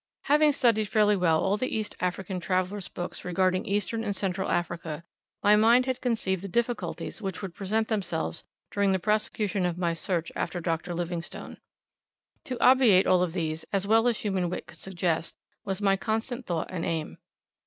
Having studied fairly well all the East African travellers' books regarding Eastern and Central Africa, my mind had conceived the difficulties which would present themselves during the prosecution of my search after Dr. Livingstone. To obviate all of these, as well as human wit could suggest, was my constant thought and aim.